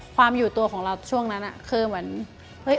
ความอยู่ตัวของเราช่วงนั้นคือเหมือนเฮ้ย